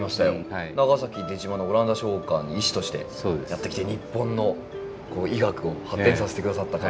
長崎出島のオランダ商館に医師としてやって来て日本の医学を発展させて下さった方。